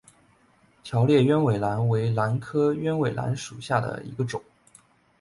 条裂鸢尾兰为兰科鸢尾兰属下的一个种。